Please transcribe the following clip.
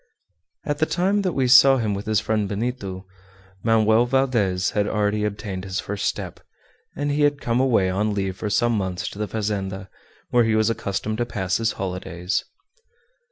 At the time that we saw him with his friend Benito, Manoel Valdez had already obtained his first step, and he had come away on leave for some months to the fazenda, where he was accustomed to pass his holidays.